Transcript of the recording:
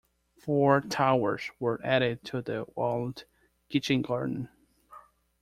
Four towers were added to the walled kitchen garden.